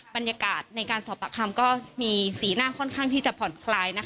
บรรยากาศในการสอบปากคำก็มีสีหน้าค่อนข้างที่จะผ่อนคลาย